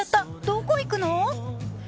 どこ行くの？